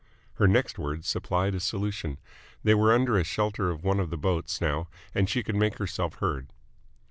Her next words supplied a solution. They were under shelter of one of the boats now and she could make herself heard.